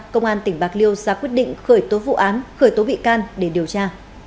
công an tỉnh bạc liêu ra quyết định khởi tố vụ án khởi tố bị can để điều tra